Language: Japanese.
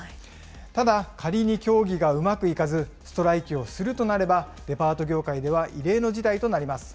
ただ、仮に協議がうまくいかず、ストライキをするとなれば、デパート業界では異例の事態となります。